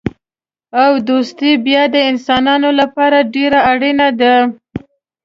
او دوستي بیا د انسانانو لپاره ډېره اړینه ده.